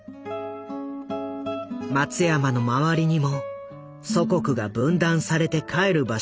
松山の周りにも祖国が分断されて帰る場所を失った人たちがいた。